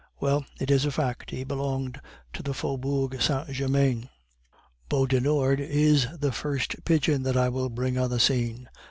Well, it is a fact, he belonged to the Faubourg Saint Germain. "Beaudenord is the first pigeon that I will bring on the scene.